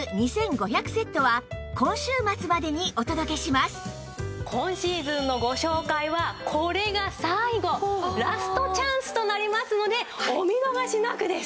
また今シーズンのご紹介はこれが最後ラストチャンスとなりますのでお見逃しなくです！